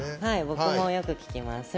僕もよく聴きます。